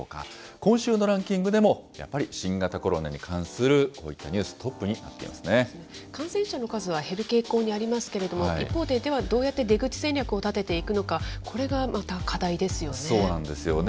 今週のランキングでも、やっぱり新型コロナに関するこういったニュース、トップになって感染者の数は減る傾向にありますけれども、一方で、ではどうやって出口戦略を立てていくのか、そうなんですよね。